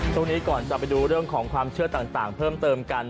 ช่วงนี้ก่อนจะไปดูเรื่องของความเชื่อต่างเพิ่มเติมกัน